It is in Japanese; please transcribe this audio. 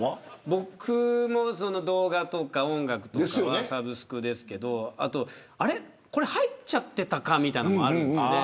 僕も動画とか音楽はサブスクですけどこれ入っちゃってたかみたいなのもあるんです。